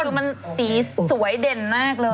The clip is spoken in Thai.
คือมันสีสวยเด่นมากเลย